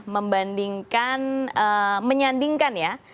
membandingkan menyandingkan ya